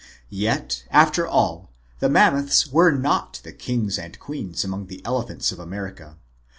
Yet, after all, the Mammoths were not the kings and queens among the elephants of America.